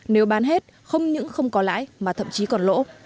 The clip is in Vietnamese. nếu bán hết không những không có lãi mà thậm chí còn lỗ